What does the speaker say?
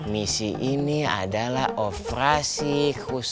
misi ini adalah operasi khusus